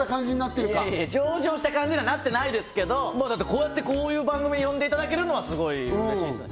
いえいえいえ上場した感じにはなってないですけどこうやってこういう番組に呼んでいただけるのはすごい嬉しいですね